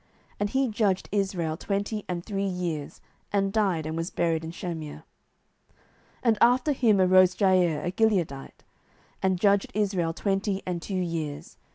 07:010:002 And he judged Israel twenty and three years, and died, and was buried in Shamir. 07:010:003 And after him arose Jair, a Gileadite, and judged Israel twenty and two years.